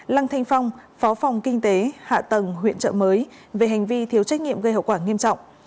lăng thanh phong phó phòng kinh tế hạ tầng huyện trợ mới về hành vi thiếu trách nhiệm gây hậu quả nghiêm trọng